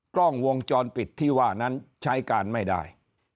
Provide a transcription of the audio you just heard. กล้องวงจรปิดที่ว่านั้นใช้การไม่ได้